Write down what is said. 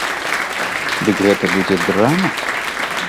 Дык гэта будзе драма?